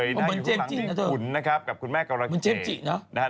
อยู่ตรงคลังที่อุ๋นนะครับพี่ปุณธ์กับคุณแม่กวาลาเกก